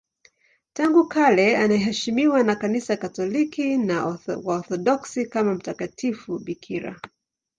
Tangu kale anaheshimiwa na Kanisa Katoliki na Waorthodoksi kama mtakatifu bikira.